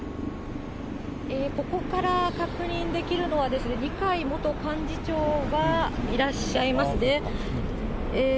ここから確認できるのは、二階元幹事長はいらっしゃいますね。